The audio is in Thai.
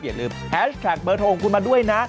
อย่าลืมแฮชแท็กเบอร์โทรของคุณมาด้วยนะ